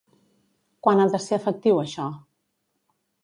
Quan ha de ser efectiu això?